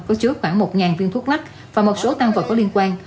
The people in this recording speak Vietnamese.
có chứa khoảng một viên thuốc lắc và một số tăng vật có liên quan